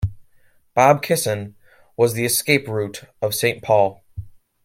Bab Kisan was the escape route of Saint Paul.